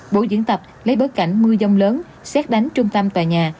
bộ diễn tập lấy bớt cảnh mưa giông lớn xét đánh trung tâm tòa nhà